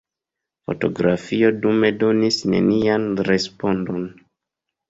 Fotografio dume donis nenian respondon.